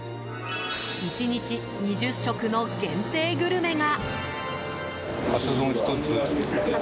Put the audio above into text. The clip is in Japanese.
１日２０食の限定グルメが。